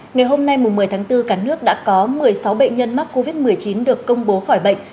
ngày hôm nay một mươi tháng bốn cả nước đã có một mươi sáu bệnh nhân mắc covid một mươi chín được công bố khỏi bệnh